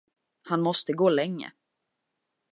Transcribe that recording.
Han måste gå länge.